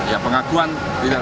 ya pengakuan tidak